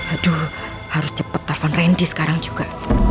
aduh harus cepet tarvan randy sekarang juga